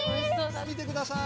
みてください！